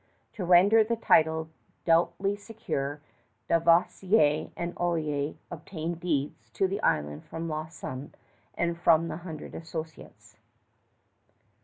To render the title doubly secure, Dauversière and Olier obtained deeds to the island from Lauson and from the Hundred Associates.